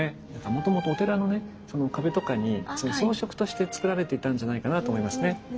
もともとお寺のね壁とかに装飾としてつくられていたんじゃないかなと思いますね。